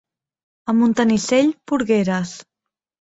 A Montanissell, porgueres.